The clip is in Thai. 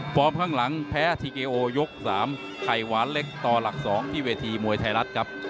ข้างหลังแพ้ทีเกโอยก๓ไข่หวานเล็กต่อหลัก๒ที่เวทีมวยไทยรัฐครับ